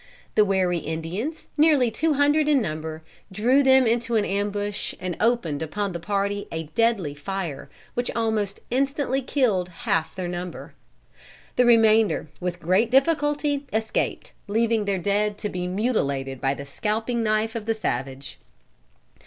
The wary Indians, nearly two hundred in number, drew them into an ambush and opened upon the party a deadly fire which almost instantly killed half their number. The remainder with great difficulty escaped, leaving their dead to be mutilated by the scalping knife of the savage.